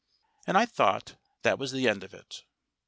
And I thought that was the end of it.